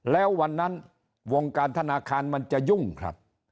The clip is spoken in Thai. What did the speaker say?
แล้ววันนั้นวงการธนาคารมันจะยุ่งครับ